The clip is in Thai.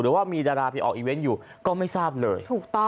หรือว่ามีดาราไปออกอีเวนต์อยู่ก็ไม่ทราบเลย